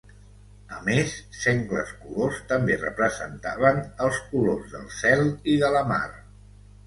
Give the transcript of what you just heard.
A més, sengles colors també representaven els colors del cel i de la mar.